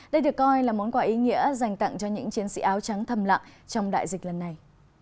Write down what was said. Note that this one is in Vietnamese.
đây được coi là món quà ý nghĩa dành tặng cho những chiến sĩ áo trắng thầm lặng trong đại dịch lần này